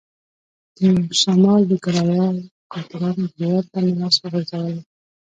د شمال د کرايه ای قاتلانو ګرېوان ته مې لاس ورغځولی.